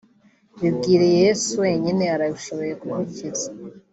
bibwire yesu wenyine arabishoboye kugukiza